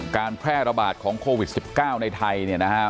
การแพร่ระบาดของโควิด๑๙ในไทย